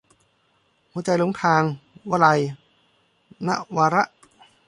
หัวใจหลงทาง - วลัย นวาระ